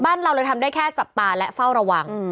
เราเลยทำได้แค่จับตาและเฝ้าระวัง